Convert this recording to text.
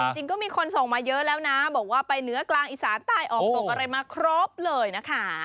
จริงก็มีคนส่งมาเยอะแล้วนะบอกว่าไปเหนือกลางอีสานใต้ออกตกอะไรมาครบเลยนะคะ